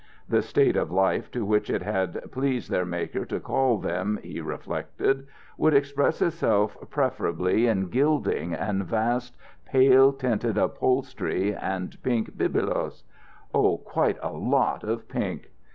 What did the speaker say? The state of life to which it had pleased their Maker to call them, he reflected, would express itself preferably in gilding and vast pale tinted upholstery and pink bibelots oh, quite a lot of pink.